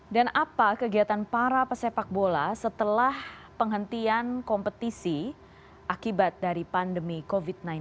dan apa kegiatan para pesepak bola setelah penghentian kompetisi akibat dari pandemi covid sembilan belas